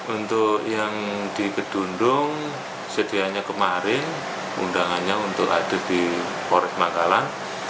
untuk yang di kedundung sedianya kemarin undangannya untuk hadir di polres makalang